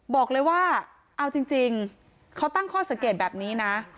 บอกเลยว่าเอาจริงเขาตั้งข้อสังเกตแบบนี้นะ